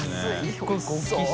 １個１個大きいし。